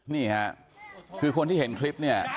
นี่ค่ะคือคนที่เห็นคลิปเนี่ย